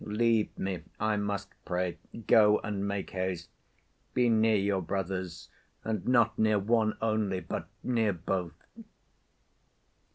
Leave me, I must pray. Go, and make haste. Be near your brothers. And not near one only, but near both."